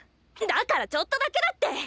だからちょっとだけだって！